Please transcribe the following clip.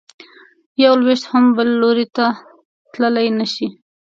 یو لویشت هم بل لوري ته تلی نه شې.